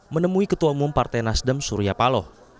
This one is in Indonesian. menemui ketua umum partai nasdem suryapalo